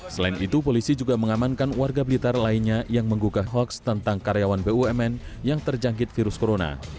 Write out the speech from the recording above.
selain itu polisi juga mengamankan warga blitar lainnya yang menggugah hoaks tentang karyawan bumn yang terjangkit virus corona